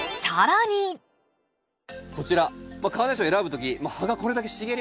こちらカーネーションを選ぶ時葉がこれだけ茂ります。